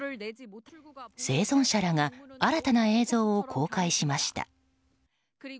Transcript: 生存者らが新たな映像を公開しました。